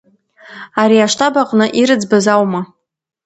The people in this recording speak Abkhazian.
Ари аштаб аҟны ирыӡбаз аума?